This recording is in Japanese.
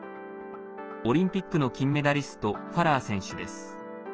オリンピックの金メダリストファラー選手です。